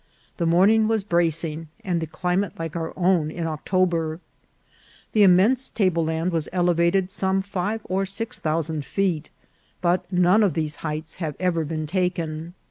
The morning was bracing, and the climate like our own in October. The immense table land was elevated some five or six thousand feet, but none of these heights have ever been taken.